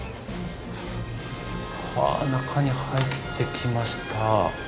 はあ中に入ってきました。